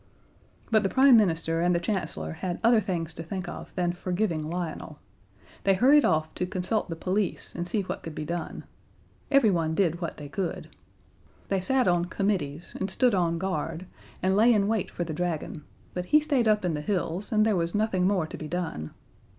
But the Prime Minister and the Chancellor had other things to think of than forgiving Lionel. They hurried off to consult the police and see what could be done. Everyone did what they could. They sat on committees and stood on guard, and lay in wait for the Dragon, but he stayed up in the hills, and there was nothing more to be done.